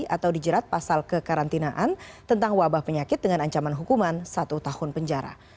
atau dijerat pasal kekarantinaan tentang wabah penyakit dengan ancaman hukuman satu tahun penjara